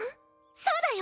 そうだよ。